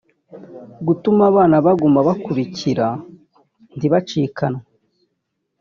gatuma abana baguma bakurikira ntibacikanywe